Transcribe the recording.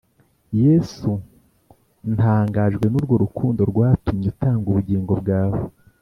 Yesu, ntangajwe n'urwo rukundo, Rwatumy' utang' ubugingo bwawe.